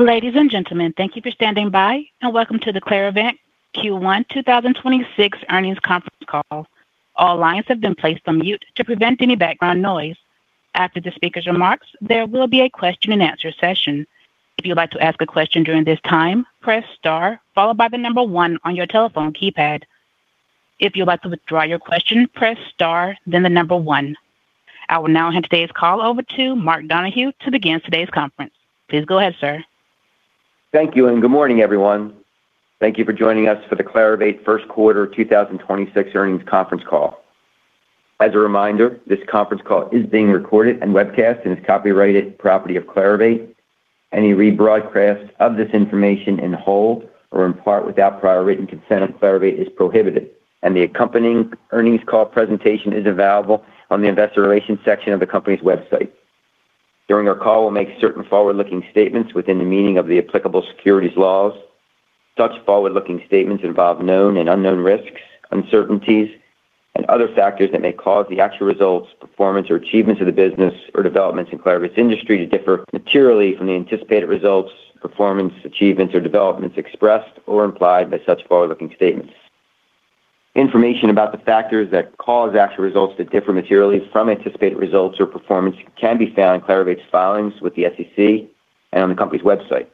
Ladies and gentlemen, thank you for standing by, and welcome to the Clarivate Q1 2026 earnings conference call. All lines have been placed on mute to prevent any background noise. After the speaker's remarks there will be a question and answer session. If you would like to ask a question during this time, press star followed by the number one on your telephone keypad. If you would like to withdraw your question, press star then number one. I will now hand today's call over to Mark Donohue to begin today's conference. Please go ahead, sir. Thank you, and good morning, everyone. Thank you for joining us for the Clarivate Q1 2026 earnings conference call. As a reminder, this conference call is being recorded and webcast and is copyrighted property of Clarivate. Any rebroadcast of this information in whole or in part without prior written consent of Clarivate is prohibited. The accompanying earnings call presentation is available on the investor relations section of the company's website. During our call, we'll make certain forward-looking statements within the meaning of the applicable securities laws. Such forward-looking statements involve known and unknown risks, uncertainties, and other factors that may cause the actual results, performance, or achievements of the business or developments in Clarivate's industry to differ materially from the anticipated results, performance, achievements, or developments expressed or implied by such forward-looking statements. Information about the factors that cause actual results to differ materially from anticipated results or performance can be found in Clarivate's filings with the SEC and on the company's website.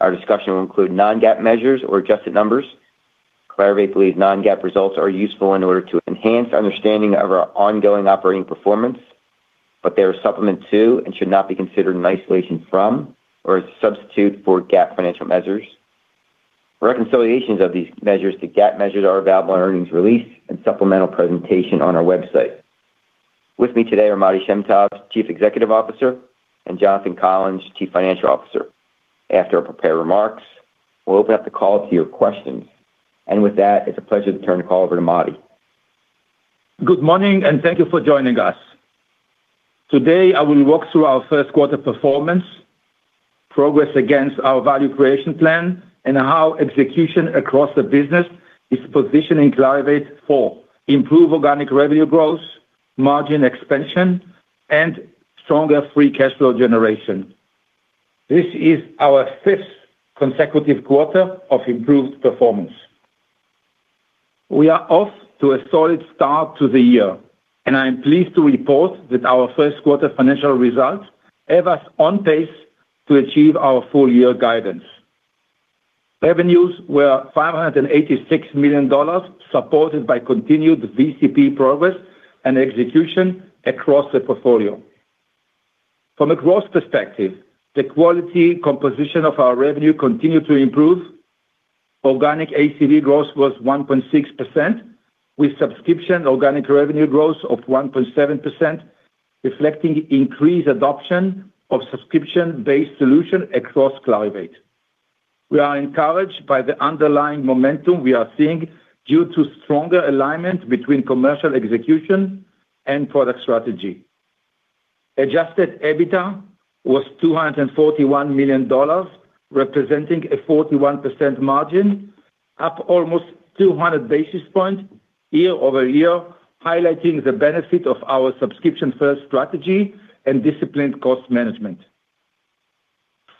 Our discussion will include non-GAAP measures or adjusted numbers. Clarivate believes non-GAAP results are useful in order to enhance understanding of our ongoing operating performance, but they are supplement to and should not be considered in isolation from or as a substitute for GAAP financial measures. Reconciliations of these measures to GAAP measures are available in earnings release and supplemental presentation on our website. With me today are Matti Shem Tov, Chief Executive Officer, and Jonathan Collins, Chief Financial Officer. After our prepared remarks, we'll open up the call to your questions. With that, it's a pleasure to turn the call over to Matti. Good morning, and thank you for joining us. Today, I will walk through our Q1 performance, progress against our value creation plan, and how execution across the business is positioning Clarivate for improved organic revenue growth, margin expansion, and stronger free cash flow generation. This is our fifth consecutive quarter of improved performance. We are off to a solid start to the year, and I am pleased to report that our Q1 financial results have us on pace to achieve our full-year guidance. Revenues were $586 million, supported by continued VCP progress and execution across the portfolio. From a growth perspective, the quality composition of our revenue continued to improve. Organic ACV growth was 1.6%, with subscription organic revenue growth of 1.7%, reflecting increased adoption of subscription-based solution across Clarivate. We are encouraged by the underlying momentum we are seeing due to stronger alignment between commercial execution and product strategy. Adjusted EBITDA was $241 million, representing a 41% margin, up almost 200 basis points year-over-year, highlighting the benefit of our subscription-first strategy and disciplined cost management.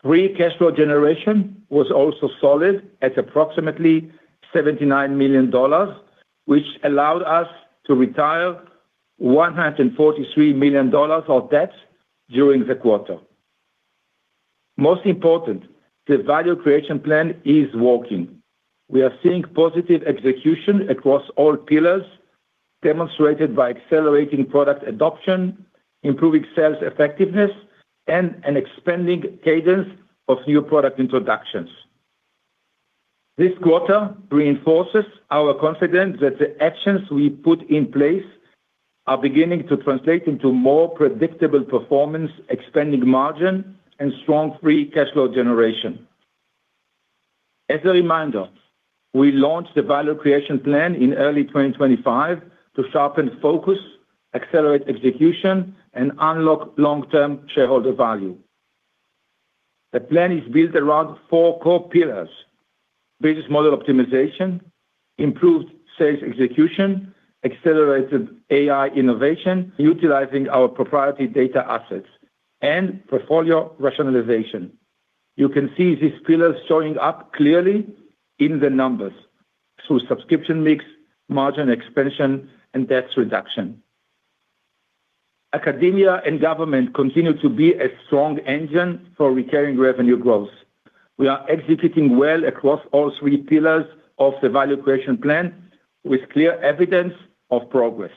Free cash flow generation was also solid at approximately $79 million, which allowed us to retire $143 million of debt during the quarter. Most important, the Value Creation Plan is working. We are seeing positive execution across all pillars, demonstrated by accelerating product adoption, improving sales effectiveness, and an expanding cadence of new product introductions. This quarter reinforces our confidence that the actions we put in place are beginning to translate into more predictable performance, expanding margin, and strong free cash flow generation. As a reminder, we launched the Value Creation Plan in early 2025 to sharpen focus, accelerate execution, and unlock long-term shareholder value. The plan is built around four core pillars: Business Model Optimization, Improved Sales Execution, Accelerated AI Innovation utilizing our proprietary data assets, and Portfolio Rationalization. You can see these pillars showing up clearly in the numbers through subscription mix, margin expansion, and debt reduction. Academia and government continue to be a strong engine for recurring revenue growth. We are executing well across all three pillars of the Value Creation Plan with clear evidence of progress.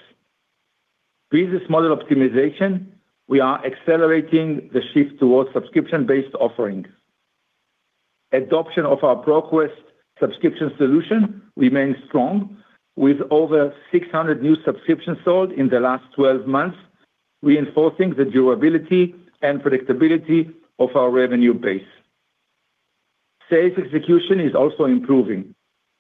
Business Model Optimization, we are accelerating the shift towards subscription-based offerings. Adoption of our ProQuest subscription solution remains strong with over 600 new subscriptions sold in the last 12 months, reinforcing the durability and predictability of our revenue base. Sales execution is also improving,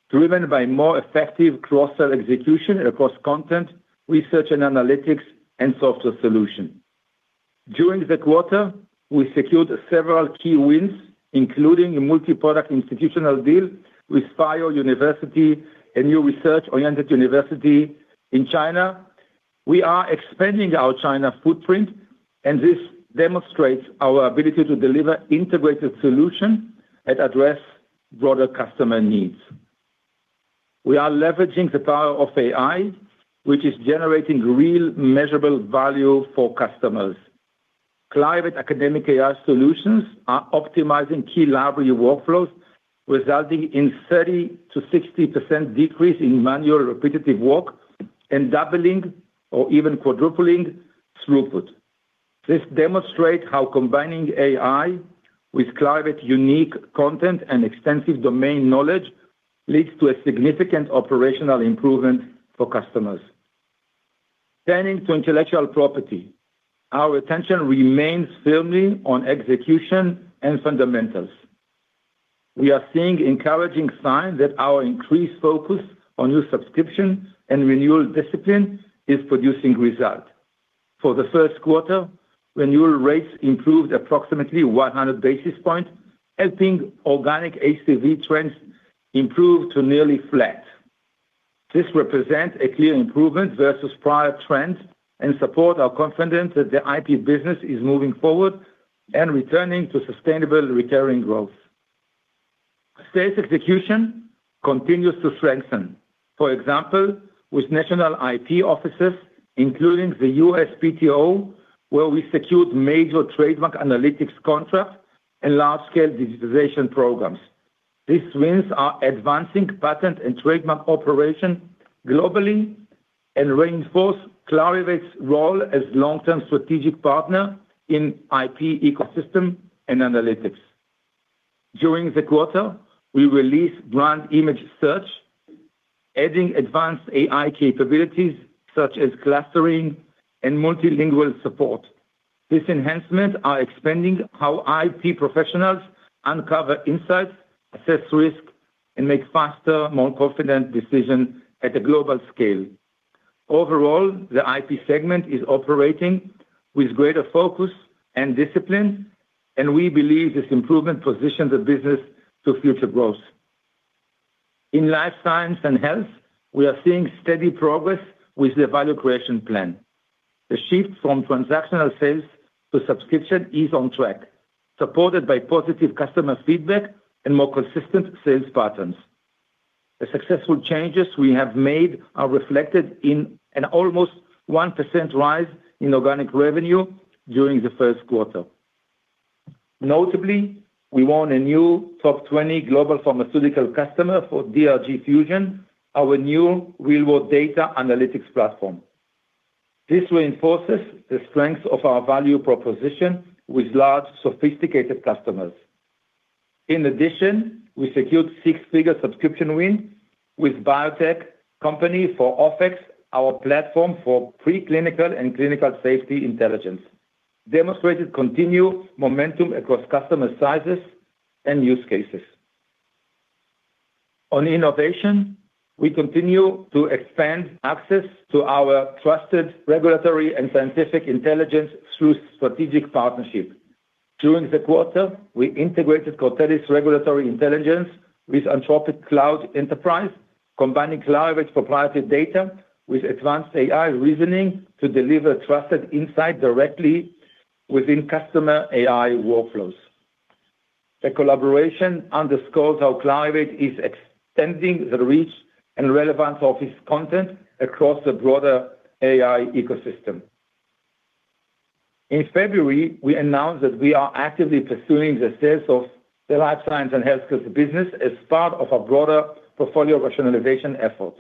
driven by more effective cross-sell execution across content, research and analytics, and software solution. During the quarter, we secured several key wins, including a multi-product institutional deal with Fuyao University of Science and Technology, a new research-oriented university in China. We are expanding our China footprint, and this demonstrates our ability to deliver integrated solution and address broader customer needs. We are leveraging the power of AI, which is generating real measurable value for customers. Clarivate academic AI solutions are optimizing key library workflows, resulting in 30%-60% decrease in manual repetitive work and doubling or even quadrupling throughput. This demonstrate how combining AI with Clarivate's unique content and extensive domain knowledge leads to a significant operational improvement for customers. Turning to intellectual property, our attention remains firmly on execution and fundamentals. We are seeing encouraging signs that our increased focus on new subscription and renewal discipline is producing result. For the Q1, renewal rates improved approximately 100 basis points, helping organic ACV trends improve to nearly flat. This represents a clear improvement versus prior trends and support our confidence that the IP business is moving forward and returning to sustainable recurring growth. Sales execution continues to strengthen. For example, with national IP offices, including the USPTO, where we secured major trademark analytics contract and large-scale digitization programs. These wins are advancing patent and trademark operation globally and reinforce Clarivate's role as long-term strategic partner in IP ecosystem and analytics. During the quarter, we released Brand Image Search, adding advanced AI capabilities such as clustering and multilingual support. These enhancements are expanding how IP professionals uncover insights, assess risk, and make faster, more confident decision at a global scale. Overall, the IP segment is operating with greater focus and discipline, and we believe this improvement positions the business to future growth. In Life Sciences & Healthcare, we are seeing steady progress with the value creation plan. The shift from transactional sales to subscription is on track, supported by positive customer feedback and more consistent sales patterns. The successful changes we have made are reflected in an almost 1% rise in organic revenue during the Q1. Notably, we won a new top 20 global pharmaceutical customer for DRG Fusion, our new real-world data analytics platform. This reinforces the strength of our value proposition with large, sophisticated customers. In addition, we secured six-figure subscription win with biotech company for OFF-X, our platform for preclinical and clinical safety intelligence, demonstrated continued momentum across customer sizes and use cases. On innovation, we continue to expand access to our trusted regulatory and scientific intelligence through strategic partnership. During the quarter, we integrated Cortellis Regulatory Intelligence with Anthropic Claude, combining Clarivate's proprietary data with advanced AI reasoning to deliver trusted insight directly within customer AI workflows. The collaboration underscores how Clarivate is extending the reach and relevance of its content across the broader AI ecosystem. In February, we announced that we are actively pursuing the sales of the life science and healthcare business as part of a broader portfolio rationalization effort.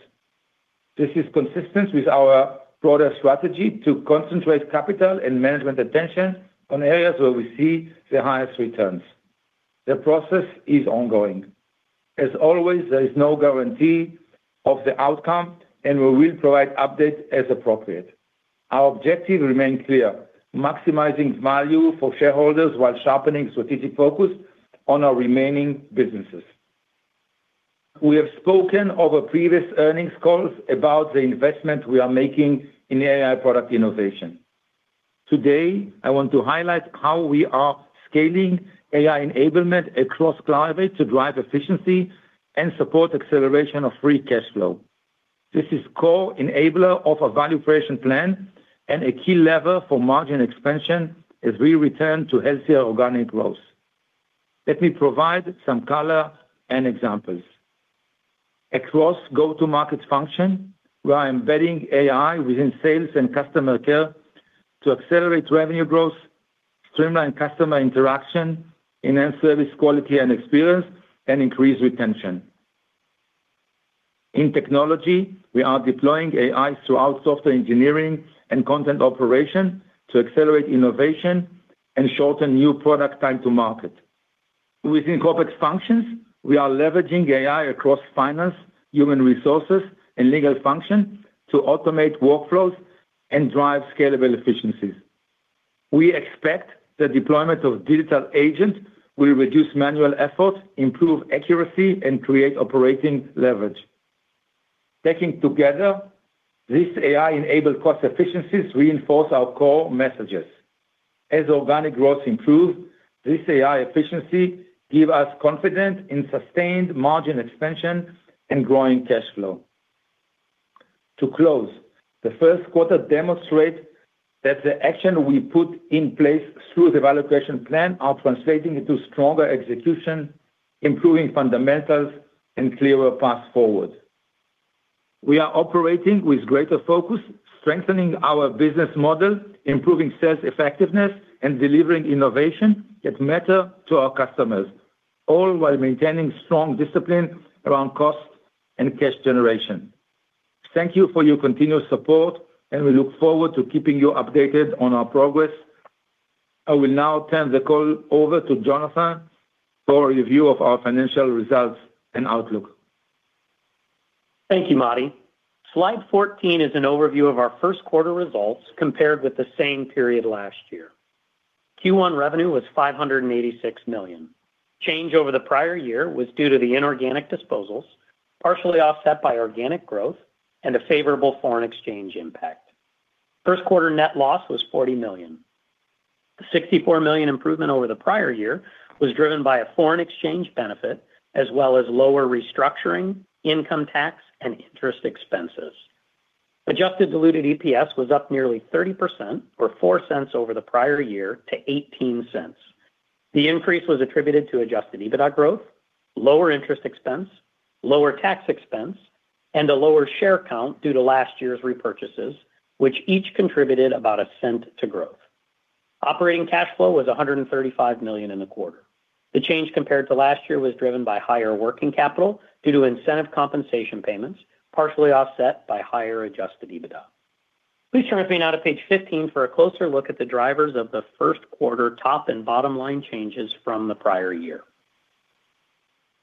This is consistent with our broader strategy to concentrate capital and management attention on areas where we see the highest returns. The process is ongoing. As always, there is no guarantee of the outcome, and we will provide updates as appropriate. Our objective remain clear: maximizing value for shareholders while sharpening strategic focus on our remaining businesses. We have spoken over previous earnings calls about the investment we are making in AI product innovation. Today, I want to highlight how we are scaling AI enablement across Clarivate to drive efficiency and support acceleration of free cash flow. This is core enabler of our value creation plan and a key lever for margin expansion as we return to healthier organic growth. Let me provide some color and examples. Across go-to-market function, we are embedding AI within sales and customer care to accelerate revenue growth, streamline customer interaction, enhance service quality and experience, and increase retention. In technology, we are deploying AI throughout software engineering and content operation to accelerate innovation and shorten new product time to market. Within corporate functions, we are leveraging AI across finance, human resources, and legal function to automate workflows and drive scalable efficiencies. We expect the deployment of digital agent will reduce manual effort, improve accuracy, and create operating leverage. Taken together, these AI-enabled cost efficiencies reinforce our core messages. As organic growth improve, this AI efficiency give us confidence in sustained margin expansion and growing cash flow. To close, the Q1 demonstrate that the action we put in place through the Value Creation Plan are translating into stronger execution, improving fundamentals and clearer path forward. We are operating with greater focus, strengthening our business model, improving sales effectiveness, and delivering innovation that matter to our customers, all while maintaining strong discipline around cost and cash generation. Thank you for your continuous support, and we look forward to keeping you updated on our progress. I will now turn the call over to Jonathan for a review of our financial results and outlook. Thank you, Matti. Slide 14 is an overview of our Q1 results compared with the same period last year. Q1 revenue was $586 million. Change over the prior year was due to the inorganic disposals, partially offset by organic growth and a favorable foreign exchange impact. Q1 net loss was $40 million. The $64 million improvement over the prior year was driven by a foreign exchange benefit, as well as lower restructuring, income tax and interest expenses. Adjusted diluted EPS was up nearly 30% or $0.04 over the prior year to $0.18. The increase was attributed to adjusted EBITDA growth, lower interest expense, lower tax expense, and a lower share count due to last year's repurchases, which each contributed about $0.01 to growth. Operating cash flow was $135 million in the quarter. The change compared to last year was driven by higher working capital due to incentive compensation payments, partially offset by higher adjusted EBITDA. Please turn with me now to page 15 for a closer look at the drivers of the Q1 top and bottom line changes from the prior year.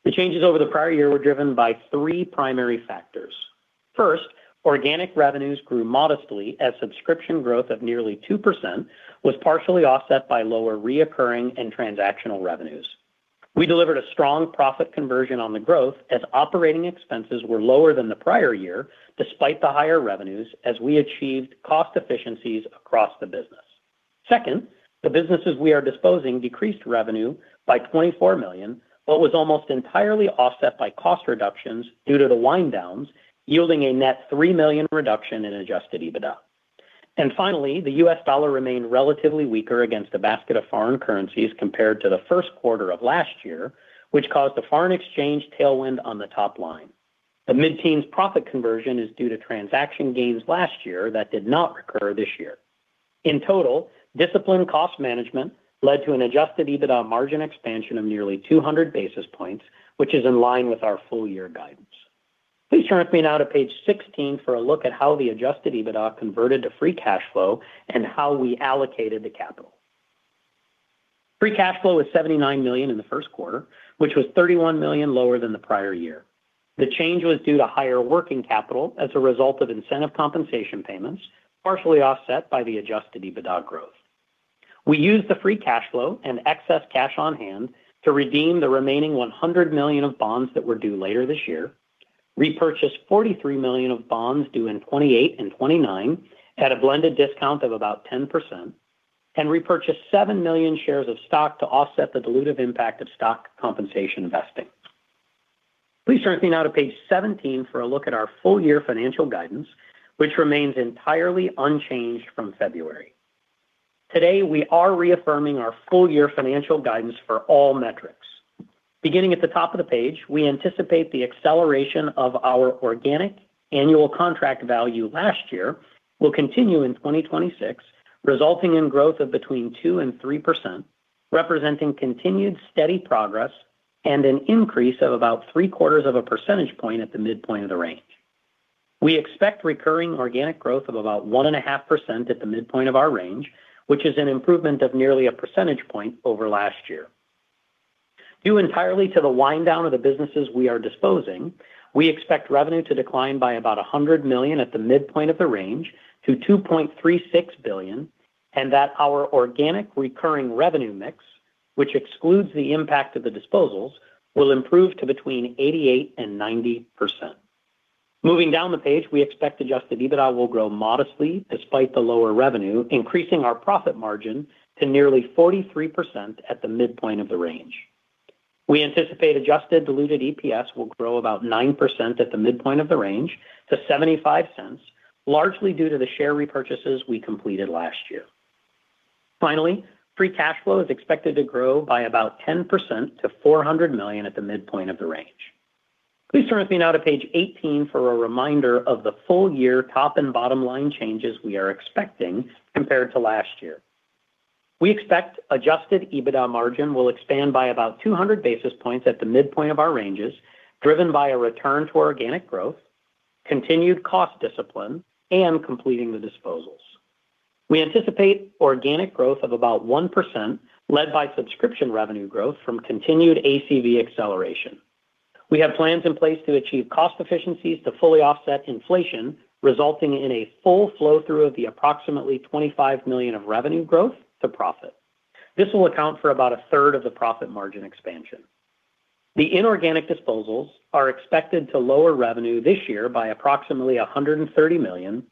The changes over the prior year were driven by three primary factors. First, organic revenues grew modestly as subscription growth of nearly 2% was partially offset by lower reoccurring and transactional revenues. We delivered a strong profit conversion on the growth as operating expenses were lower than the prior year despite the higher revenues as we achieved cost efficiencies across the business. Second, the businesses we are disposing decreased revenue by $24 million, but was almost entirely offset by cost reductions due to the wind downs, yielding a net $3 million reduction in adjusted EBITDA. Finally, the U.S. dollar remained relatively weaker against a basket of foreign currencies compared to the Q1 of last year, which caused a foreign exchange tailwind on the top line. The mid-teens profit conversion is due to transaction gains last year that did not recur this year. In total, disciplined cost management led to an adjusted EBITDA margin expansion of nearly 200 basis points, which is in line with our full year guidance. Please turn with me now to page 16 for a look at how the adjusted EBITDA converted to free cash flow and how we allocated the capital. Free cash flow was $79 million in the Q1, which was $31 million lower than the prior year. The change was due to higher working capital as a result of incentive compensation payments, partially offset by the adjusted EBITDA growth. We used the free cash flow and excess cash on hand to redeem the remaining $100 million of bonds that were due later this year, repurchase $43 million of bonds due in 2028 and 2029 at a blended discount of about 10%, repurchase 7 million shares of stock to offset the dilutive impact of stock compensation investing. Please turn with me now to page 17 for a look at our full year financial guidance, which remains entirely unchanged from February. Today, we are reaffirming our full year financial guidance for all metrics. Beginning at the top of the page, we anticipate the acceleration of our organic annual contract value last year will continue in 2026, resulting in growth of between 2% and 3%, representing continued steady progress and an increase of about three-quarters of a percentage point at the midpoint of the range. We expect recurring organic growth of about 1.5% at the midpoint of our range, which is an improvement of nearly a percentage point over last year. Due entirely to the wind down of the businesses we are disposing, we expect revenue to decline by about $100 million at the midpoint of the range to $2.36 billion, and that our organic recurring revenue mix, which excludes the impact of the disposals, will improve to between 88%-90%. Moving down the page, we expect adjusted EBITDA will grow modestly despite the lower revenue, increasing our profit margin to nearly 43% at the midpoint of the range. We anticipate adjusted diluted EPS will grow about 9% at the midpoint of the range to $0.75, largely due to the share repurchases we completed last year. Finally, free cash flow is expected to grow by about 10% to $400 million at the midpoint of the range. Please turn with me now to page 18 for a reminder of the full year top and bottom line changes we are expecting compared to last year. We expect adjusted EBITDA margin will expand by about 200 basis points at the midpoint of our ranges, driven by a return to organic growth, continued cost discipline, and completing the disposals. We anticipate organic growth of about 1% led by subscription revenue growth from continued ACV acceleration. We have plans in place to achieve cost efficiencies to fully offset inflation, resulting in a full flow-through of the approximately $25 million of revenue growth to profit. This will account for about a 1/3 of the profit margin expansion. The inorganic disposals are expected to lower revenue this year by approximately $130 million.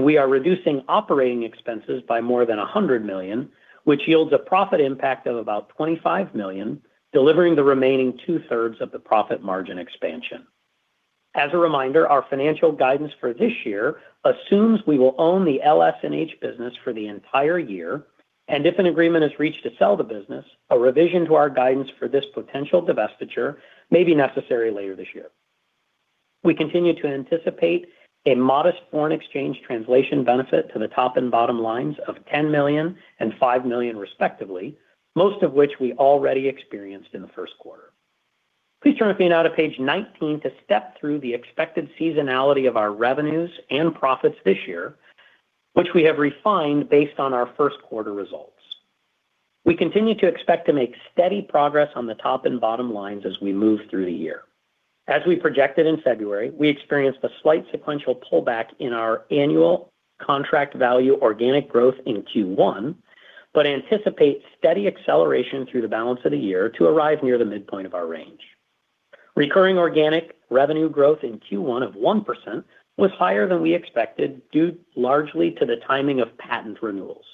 We are reducing operating expenses by more than $100 million, which yields a profit impact of about $25 million, delivering the remaining 2/3 of the profit margin expansion. As a reminder, our financial guidance for this year assumes we will own the LS&H business for the entire year. If an agreement is reached to sell the business, a revision to our guidance for this potential divestiture may be necessary later this year. We continue to anticipate a modest foreign exchange translation benefit to the top and bottom lines of $10 million and $5 million respectively, most of which we already experienced in the Q1. Please turn with me now to page 19 to step through the expected seasonality of our revenues and profits this year, which we have refined based on our Q1 results. We continue to expect to make steady progress on the top and bottom lines as we move through the year. As we projected in February, we experienced a slight sequential pullback in our ACV organic growth in Q1, but anticipate steady acceleration through the balance of the year to arrive near the midpoint of our range. Recurring organic revenue growth in Q1 of 1% was higher than we expected, due largely to the timing of patent renewals.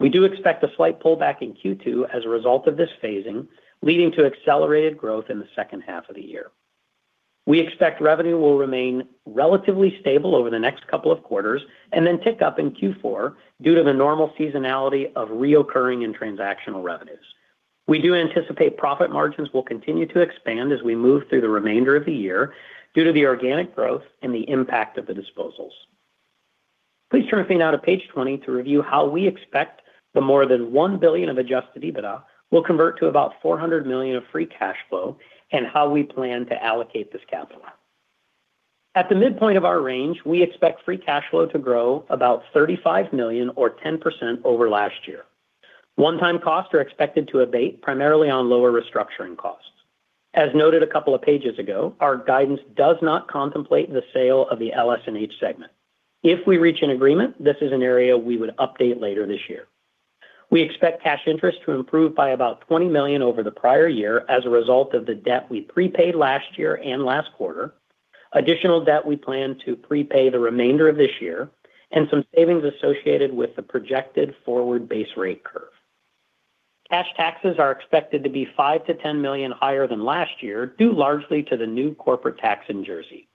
We do expect a slight pullback in Q2 as a result of this phasing, leading to accelerated growth in the second half of the year. We expect revenue will remain relatively stable over the next couple of quarters and then tick up in Q4 due to the normal seasonality of recurring and transactional revenues. We do anticipate profit margins will continue to expand as we move through the remainder of the year due to the organic growth and the impact of the disposals. Please turn with me now to page 20 to review how we expect the more than $1 billion of adjusted EBITDA will convert to about $400 million of free cash flow and how we plan to allocate this capital. At the midpoint of our range, we expect free cash flow to grow about $35 million or 10% over last year. One-time costs are expected to abate primarily on lower restructuring costs. As noted a couple of pages ago, our guidance does not contemplate the sale of the LS&H segment. If we reach an agreement, this is an area we would update later this year. We expect cash interest to improve by about $20 million over the prior year as a result of the debt we prepaid last year and last quarter, additional debt we plan to prepay the remainder of this year, and some savings associated with the projected forward base rate curve. Cash taxes are expected to be $5 million-$10 million higher than last year, due largely to the new corporate tax in Jersey.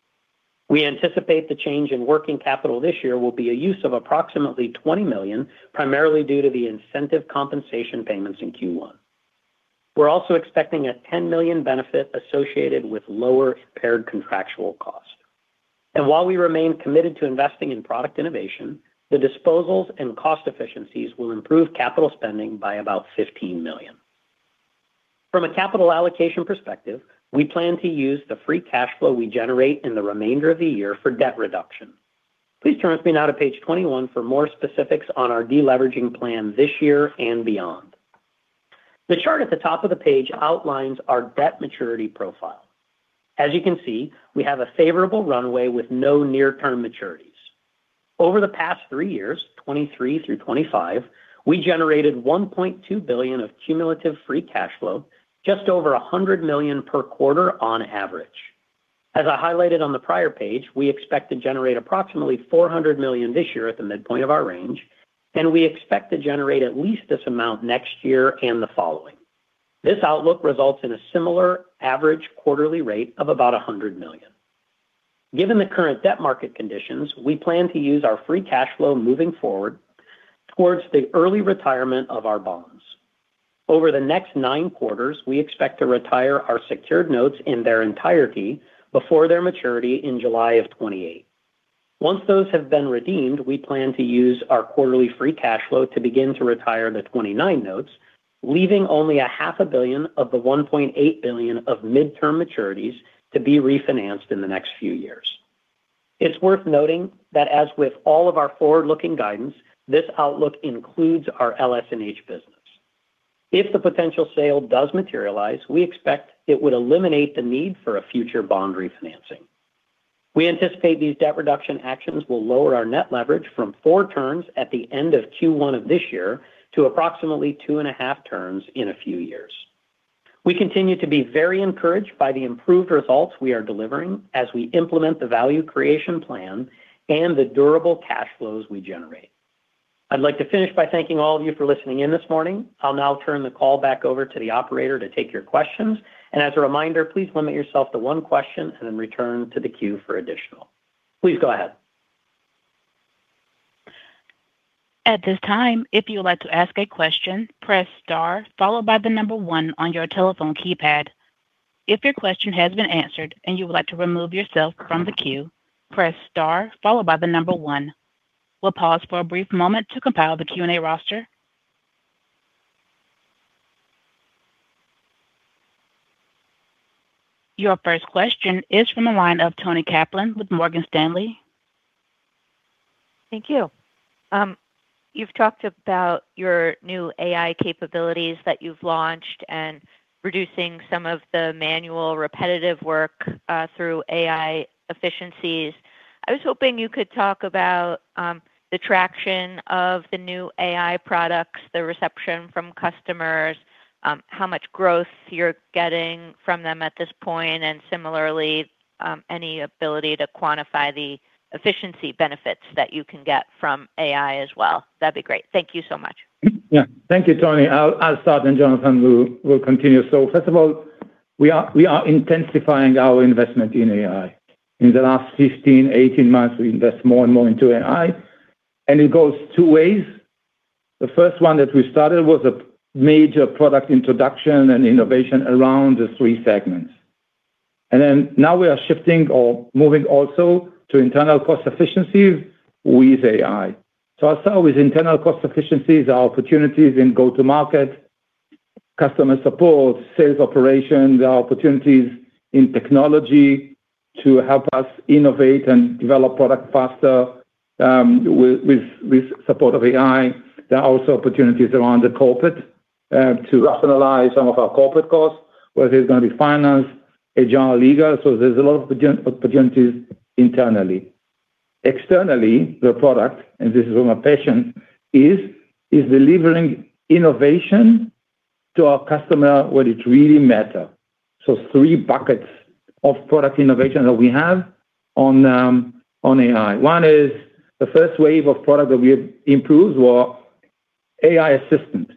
We anticipate the change in working capital this year will be a use of approximately $20 million, primarily due to the incentive compensation payments in Q1. We are also expecting a $10 million benefit associated with lower paired contractual cost While we remain committed to investing in product innovation, the disposals and cost efficiencies will improve capital spending by about $15 million. From a capital allocation perspective, we plan to use the free cash flow we generate in the remainder of the year for debt reduction. Please turn with me now to page 21 for more specifics on our deleveraging plan this year and beyond. The chart at the top of the page outlines our debt maturity profile. As you can see, we have a favorable runway with no near-term maturities. Over the past 3 years, 2023 through 2025, we generated $1.2 billion of cumulative free cash flow, just over $100 million per quarter on average. As I highlighted on the prior page, we expect to generate approximately $400 million this year at the midpoint of our range, and we expect to generate at least this amount next year and the following. This outlook results in a similar average quarterly rate of about $100 million. Given the current debt market conditions, we plan to use our free cash flow moving forward towards the early retirement of our bonds. Over the next nine quarters, we expect to retire our secured notes in their entirety before their maturity in July of 2028. Once those have been redeemed, we plan to use our quarterly free cash flow to begin to retire the 2029 notes, leaving only a half a billion of the $1.8 billion of midterm maturities to be refinanced in the next few years. It's worth noting that as with all of our forward-looking guidance, this outlook includes our LS&H business. If the potential sale does materialize, we expect it would eliminate the need for a future bond refinancing. We anticipate these debt reduction actions will lower our net leverage from 4 turns at the end of Q1 of this year to approximately 2.5 turns in a few years. We continue to be very encouraged by the improved results we are delivering as we implement the Value Creation Plan and the durable cash flows we generate. I'd like to finish by thanking all of you for listening in this morning. I'll now turn the call back over to the operator to take your questions. As a reminder, please limit yourself to 1 question and then return to the queue for additional. Please go ahead. At this time if you would like to ask a question, press star followed by the number one on your telephone keypad. If you question has been answered and you would like to remove yourself from the queue, press star followed by the number one. We'll pause for a brief moment to compile the Q&A roster. Your first question is from the line of Toni Kaplan with Morgan Stanley. Thank you. You've talked about your new AI capabilities that you've launched and reducing some of the manual repetitive work through AI efficiencies. I was hoping you could talk about the traction of the new AI products, the reception from customers, how much growth you're getting from them at this point, and similarly, any ability to quantify the efficiency benefits that you can get from AI as well. That'd be great. Thank you so much. Yeah. Thank you, Toni. I'll start. Jonathan will continue. First of all, we are intensifying our investment in AI. In the last 15, 18 months, we invest more and more into AI. It goes two ways. The first one that we started was a major product introduction and innovation around the three segments. Now we are shifting or moving also to internal cost efficiencies with AI. I'll start with internal cost efficiencies, our opportunities in go-to-market, customer support, sales operations. There are opportunities in technology to help us innovate and develop product faster, with support of AI. There are also opportunities around the corporate to rationalize some of our corporate costs, whether it's going to be finance or general legal. There's a lot of opportunities internally. Externally, the product, and this is where my passion is delivering innovation to our customer where it really matter. Three buckets of product innovation that we have on AI. One is the first wave of product that we improved were AI assistant.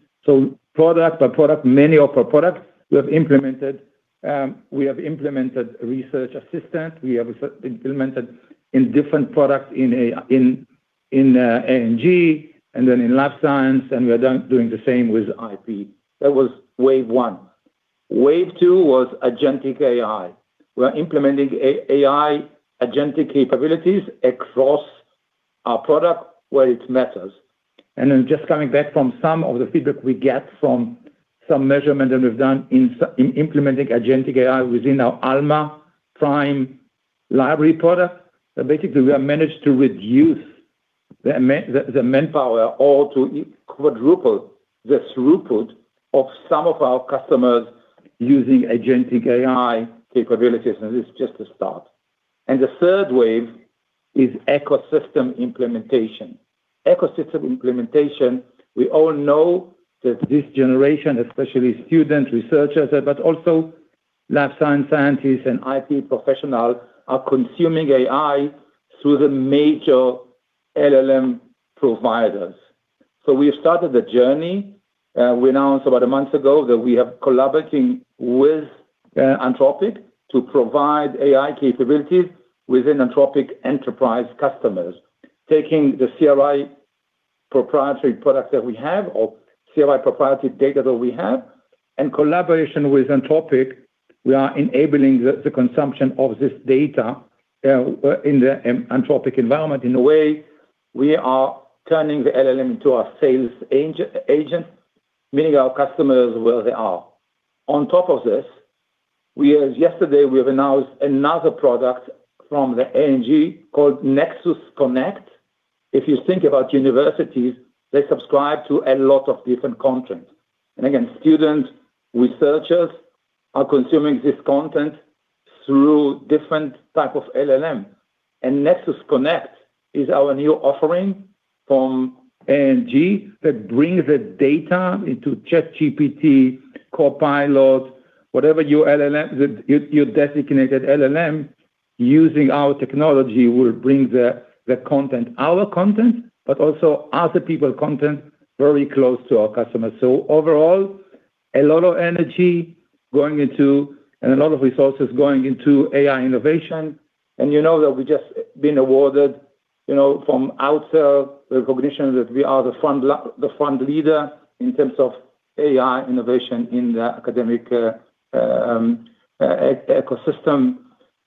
Product by product, many of our products we have implemented research assistant. We have implemented in different products in A&G, and then in Life Science, and we are doing the same with IP. That was wave one. Wave two was agentic AI. We're implementing AI agentic capabilities across our product where it matters. Then just coming back from some of the feedback we get from some measurement that we've done in implementing agentic AI within our Alma Prime Library product, that basically we have managed to reduce the manpower or to quadruple the throughput of some of our customers using agentic AI capabilities, and this is just a start. The third wave is ecosystem implementation. Ecosystem implementation, we all know that this generation, especially students, researchers, but also lab science scientists and IT professionals, are consuming AI through the major LLM providers. We have started the journey. We announced about a month ago that we have collaborating with Anthropic to provide AI capabilities within Anthropic enterprise customers. Taking the CRI proprietary products that we have or CRI proprietary data that we have, in collaboration with Anthropic, we are enabling the consumption of this data in the Anthropic environment. In a way, we are turning the LLM into a sales agent, meeting our customers where they are. On top of this, yesterday we have announced another product from the A&G called Nexus Connect. If you think about universities, they subscribe to a lot of different content. Again, students, researchers are consuming this content through different type of LLM. Nexus Connect is our new offering from A&G that brings the data into ChatGPT, Copilot, whatever your LLM, your designated LLM using our technology will bring the content, our content, but also other people content, very close to our customers. Overall, a lot of energy going into and a lot of resources going into AI innovation. You know that we've just been awarded, you know, from Outsell recognition that we are the front leader in terms of AI innovation in the academic ecosystem.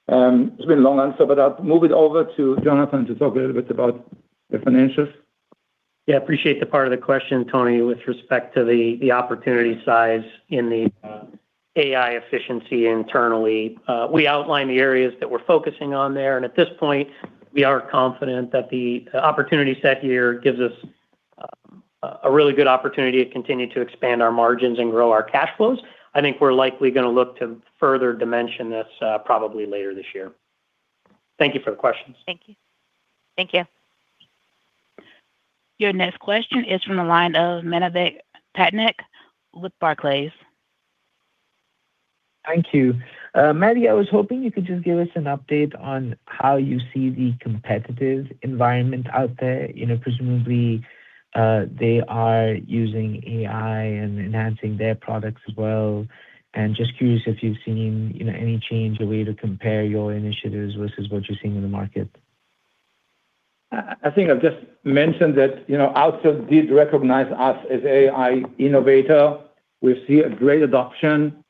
It's been a long answer. I'll move it over to Jonathan to talk a little bit about the financials. Appreciate the part of the question, Toni, with respect to the opportunity size in the AI efficiency internally. We outlined the areas that we're focusing on there, and at this point, we are confident that the opportunity set here gives us a really good opportunity to continue to expand our margins and grow our cash flows. I think we're likely gonna look to further dimension this probably later this year. Thank you for the questions. Thank you. Thank you. Your next question is from the line of Manav Patnaik with Barclays. Thank you. Matti, I was hoping you could just give us an update on how you see the competitive environment out there. You know, presumably, they are using AI and enhancing their products as well. Just curious if you've seen, you know, any change, a way to compare your initiatives versus what you're seeing in the market. I think I've just mentioned that, you know, Outsell did recognize us as AI innovator. We see a great adoption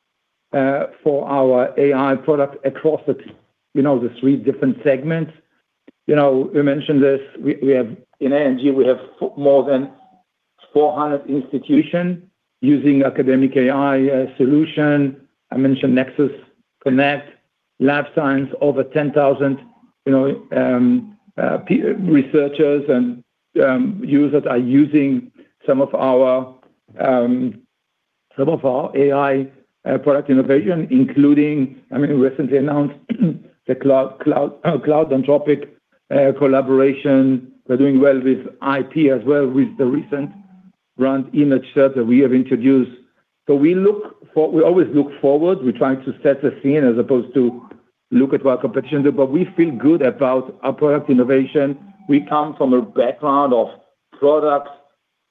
for our AI product across the three different segments. You know, we mentioned this, in A&G we have put more than 400 institution using academic AI solution. I mentioned Nexus Connect. Life science, over 10,000, you know, researchers and users are using some of our AI product innovation, including, I mean, we recently announced the Claude Anthropic collaboration. We're doing well with IP as well with the recent Brand Image Search that we have introduced. We always look forward. We're trying to set the scene as opposed to look at our competition, we feel good about our product innovation. We come from a background of products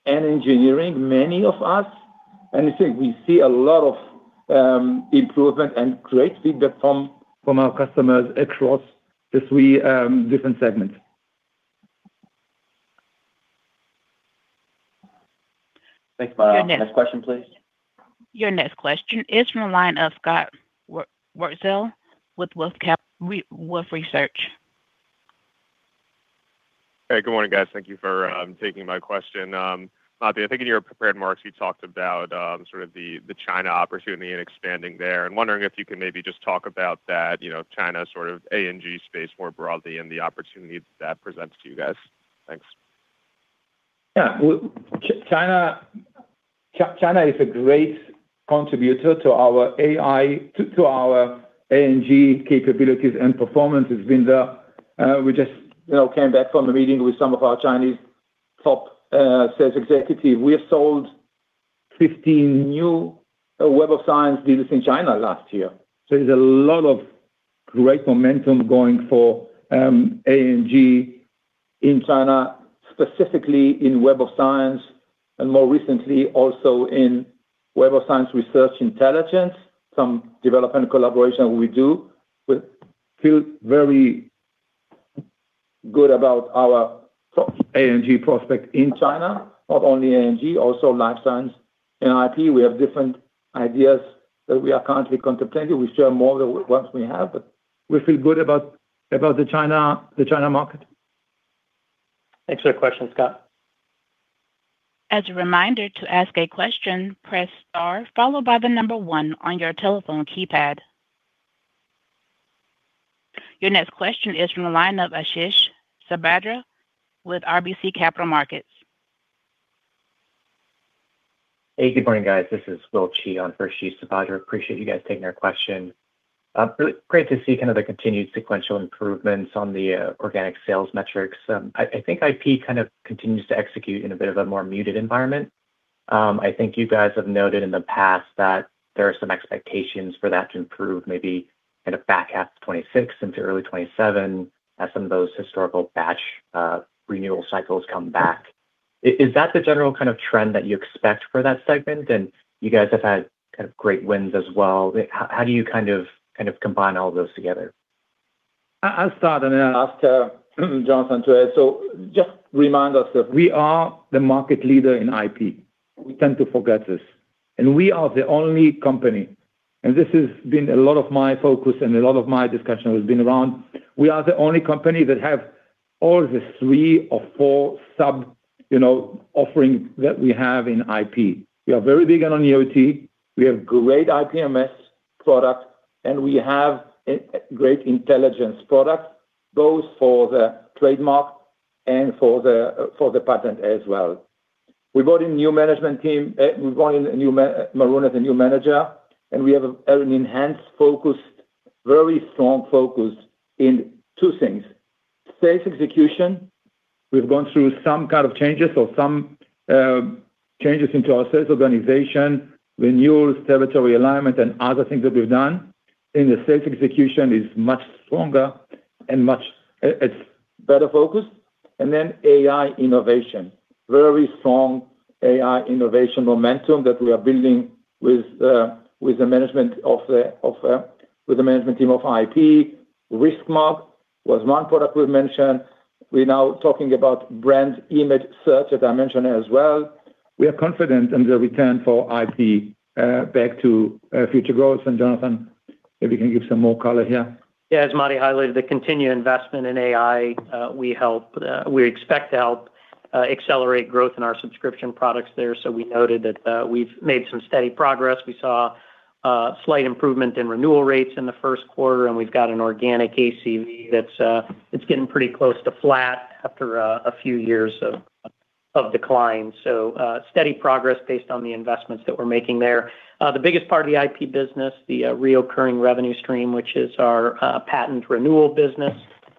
and engineering, many of us. I think we see a lot of improvement and great feedback from our customers across the three different segments. Thanks. Your next- Next question, please. Your next question is from the line of Scott Wurtzel with Wolfe Research. Hey, good morning, guys. Thank you for taking my question. Matti, I think in your prepared remarks, you talked about sort of the China opportunity and expanding there, wondering if you can maybe just talk about that, you know, China sort of A&G space more broadly and the opportunity that presents to you guys. Thanks. Yeah. Well, China is a great contributor to our AI, to our A&G capabilities and performance. We just, you know, came back from a meeting with some of our Chinese top sales executive. We have sold 15 new Web of Science business in China last year. There's a lot of great momentum going for A&G in China, specifically in Web of Science and more recently also in Web of Science Research Intelligence, some development collaboration we do. We feel very good about our top A&G prospect in China. Not only A&G, also life science and IP. We have different ideas that we are currently contemplating. We share more the ones we have, we feel good about the China market. Thanks for the question, Scott. As a reminder to ask a question, press star followed by the number one on your telephone keypad. Your next question is from the line of Ashish Sabadra with RBC Capital Markets. Good morning, guys. This is William Qi on for Ashish Sabadra. Appreciate you guys taking our question. Really great to see kind of the continued sequential improvements on the organic sales metrics. I think IP kind of continues to execute in a bit of a more muted environment. I think you guys have noted in the past that there are some expectations for that to improve maybe kind of back half 2026 into early 2027 as some of those historical batch renewal cycles come back. Is that the general kind of trend that you expect for that segment? You guys have had kind of great wins as well. How do you kind of combine all those together? I'll start and then ask Jonathan to it. Just remind us that we are the market leader in IP. We tend to forget this. We are the only company, and this has been a lot of my focus and a lot of my discussion has been around, we are the only company that have all the three or four sub, you know, offerings that we have in IP. We are very big on EOT. We have great IPMS product, and we have a great intelligence product, both for the trademark and for the patent as well. We brought in new management team. We brought in a new Maroun S. Mourad as a new manager, and we have an enhanced focus, very strong focus in two things. Sales execution. We've gone through some kind of changes or some changes into our sales organization, renewals, territory alignment, and other things that we've done, and the sales execution is much stronger and much better focused. Then AI innovation. Very strong AI innovation momentum that we are building with the management of the, with the management team of IP. RiskMark was one product we've mentioned. We're now talking about Brand Image Search, as I mentioned as well. We are confident in the return for IP, back to future growth. Jonathan, maybe you can give some more color here. As Matti highlighted, the continued investment in AI, we expect to help accelerate growth in our subscription products there. We noted that we've made some steady progress. We saw slight improvement in renewal rates in the Q1, and we've got an organic ACV that's getting pretty close to flat after a few years of decline. Steady progress based on the investments that we're making there. The biggest part of the IP business, the reoccurring revenue stream, which is our patent renewal business.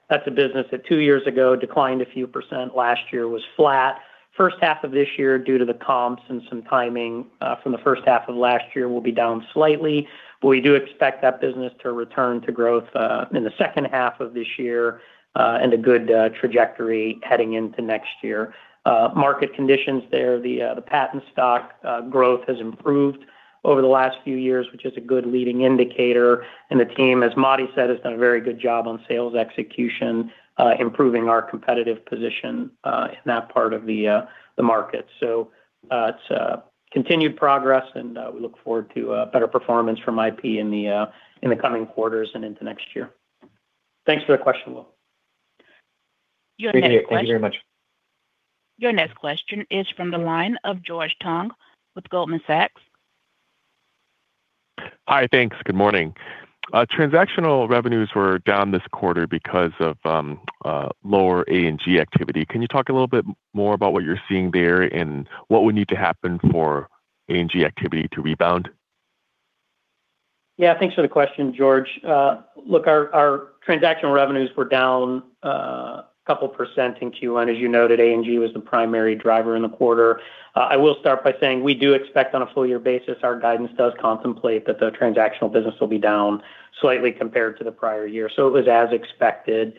That's a business that 2 years ago declined a few %. Last year was flat. first half of this year, due to the comps and some timing from the first half of last year, will be down slightly. We do expect that business to return to growth in the second half of this year and a good trajectory heading into next year. Market conditions there, the patent stock growth has improved over the last few years, which is a good leading indicator. The team, as Matti said, has done a very good job on sales execution, improving our competitive position in that part of the market. It's continued progress, and we look forward to better performance from IP in the coming quarters and into next year. Thanks for the question, Will. Your next question. Thank you very much. Your next question is from the line of George Tong with Goldman Sachs. Hi. Thanks. Good morning. Transactional revenues were down this quarter because of lower A&G activity. Can you talk a little bit more about what you're seeing there and what would need to happen for A&G activity to rebound? Yeah, thanks for the question, George. Look, our transactional revenues were down couple percent in Q1. As you noted, A&G was the primary driver in the quarter. I will start by saying we do expect on a full year basis, our guidance does contemplate that the transactional business will be down slightly compared to the prior year. It was as expected.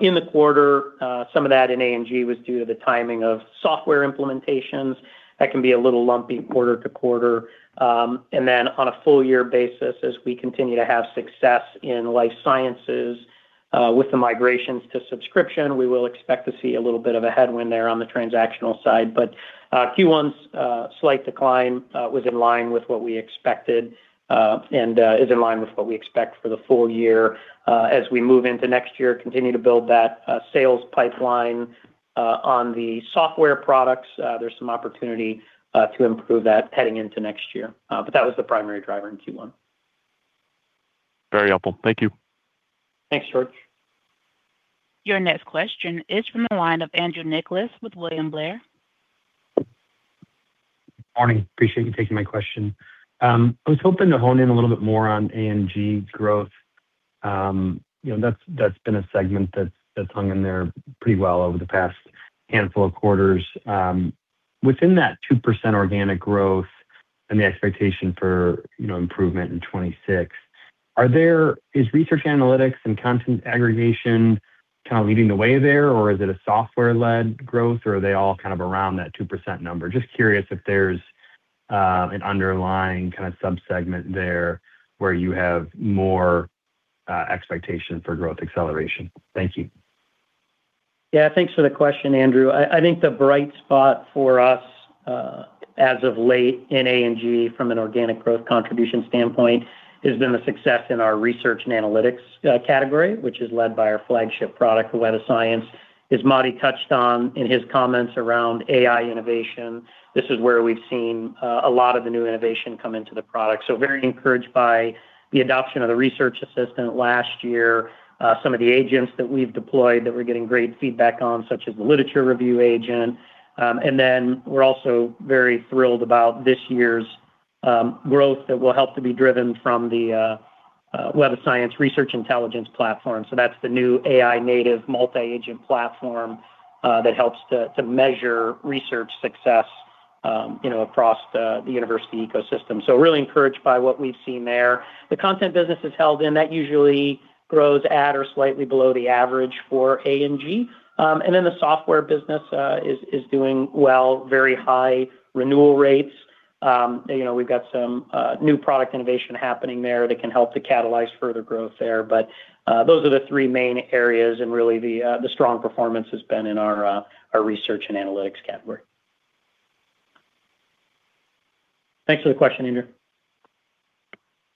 In the quarter, some of that in A&G was due to the timing of software implementations. That can be a little lumpy quarter to quarter. On a full year basis, as we continue to have success in life sciences, with the migrations to subscription, we will expect to see a little bit of a headwind there on the transactional side. Q1's slight decline was in line with what we expected, and is in line with what we expect for the full year. As we move into next year, continue to build that sales pipeline on the software products. There's some opportunity to improve that heading into next year. That was the primary driver in Q1. Very helpful. Thank you. Thanks, George. Your next question is from the line of Andrew Nicholas with William Blair. Morning. Appreciate you taking my question. I was hoping to hone in a little bit more on A&G growth. You know, that's been a segment that's hung in there pretty well over the past handful of quarters. Within that 2% organic growth and the expectation for, you know, improvement in 2026, is research analytics and content aggregation kind of leading the way there, or is it a software-led growth, or are they all kind of around that 2% number? Just curious if there's an underlying kind of subsegment there where you have more expectation for growth acceleration. Thank you. Yeah, thanks for the question, Andrew. I think the bright spot for us as of late in A&G from an organic growth contribution standpoint has been the success in our research and analytics category, which is led by our flagship product, Web of Science. As Matti touched on in his comments around AI innovation, this is where we've seen a lot of the new innovation come into the product. Very encouraged by the adoption of the research assistant last year. Some of the agents that we've deployed that we're getting great feedback on, such as the literature review agent. We're also very thrilled about this year's growth that will help to be driven from the Web of Science Research Intelligence platform. That's the new AI native multi-agent platform that helps to measure research success, you know, across the university ecosystem. Really encouraged by what we've seen there. The content business has held, and that usually grows at or slightly below the average for A&G. And then the software business is doing well, very high renewal rates. You know, we've got some new product innovation happening there that can help to catalyze further growth there. Those are the three main areas and really the strong performance has been in our research and analytics category. Thanks for the question, Andrew.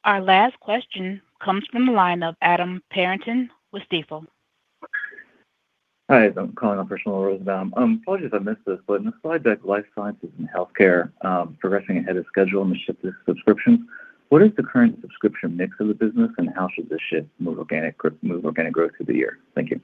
Our last question comes from the line of Adam Parrington with Stifel. Hi, I'm calling on personal Rosenbaum. Apologies if I missed this, but in the slide deck, life sciences and healthcare, progressing ahead of schedule in the shift to subscriptions. What is the current subscription mix of the business and how should this shift move organic growth through the year? Thank you.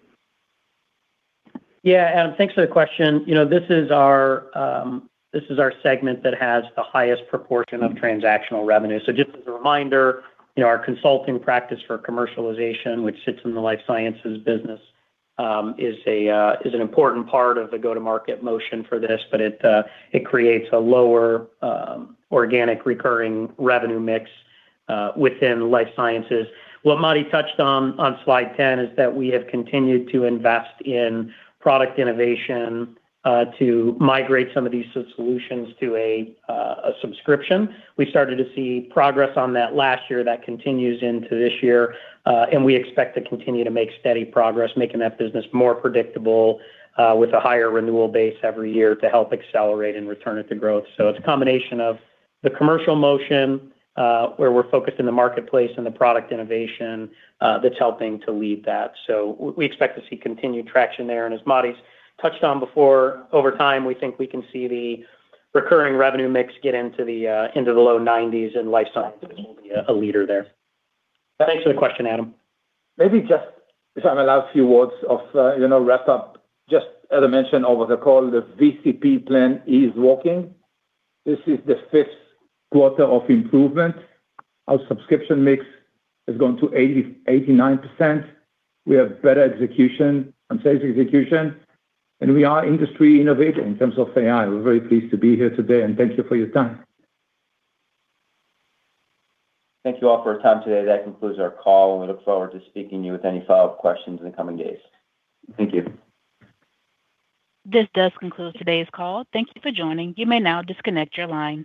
Adam, thanks for the question. You know, this is our, this is our segment that has the highest proportion of transactional revenue. Just as a reminder, you know, our consulting practice for commercialization, which sits in the Life Sciences Business, is an important part of the go-to-market motion for this. It creates a lower organic recurring revenue mix within life sciences. What Matti touched on on slide 10 is that we have continued to invest in product innovation to migrate some of these solutions to a subscription. We started to see progress on that last year. That continues into this year, we expect to continue to make steady progress making that business more predictable with a higher renewal base every year to help accelerate and return it to growth. It's a combination of the commercial motion, where we're focused in the marketplace and the product innovation, that's helping to lead that. We expect to see continued traction there. As Matti's touched on before, over time, we think we can see the recurring revenue mix get into the low nineties and life sciences will be a leader there. Thanks for the question, Adam. Maybe just if I'm allowed a few words of, you know, wrap up. Just as I mentioned over the call, the VCP plan is working. This is the 5th quarter of improvement. Our subscription mix has gone to 89%. We have better execution and sales execution, and we are industry innovator in terms of AI. We're very pleased to be here today and thank you for your time. Thank you all for your time today. That concludes our call, and we look forward to speaking to you with any follow-up questions in the coming days. Thank you. This does conclude today's call. Thank you for joining. You may now disconnect your line.